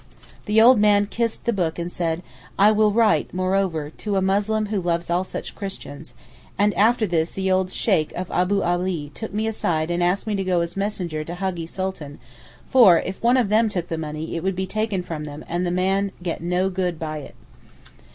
The old man kissed the book and said 'I will write moreover—to a Muslim who loves all such Christians'—and after this the old Sheykh of Abou Ali took me aside and asked me to go as messenger to Haggee Sultan for if one of them took the money it would be taken from them and the man get no good by it.